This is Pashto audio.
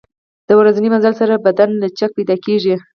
د ورځني مزل سره بدن لچک پیدا کېږي.